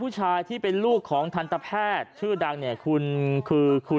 มึงก็ไปกับแก๊ปกำลังจะไปกับแก๊ป